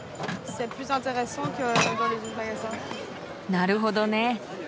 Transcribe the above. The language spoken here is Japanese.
なるほどね。